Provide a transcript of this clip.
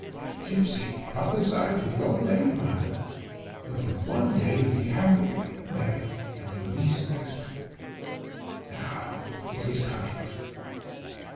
A gipsy prophesied to your late mother that you would one day be happy in a marriage when you least expected it. Now it is coming true."